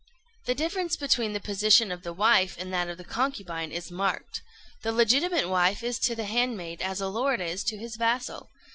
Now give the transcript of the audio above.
The difference between the position of the wife and that of the concubine is marked. The legitimate wife is to the handmaid as a lord is to his vassal.